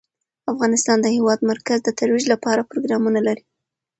افغانستان د د هېواد مرکز د ترویج لپاره پروګرامونه لري.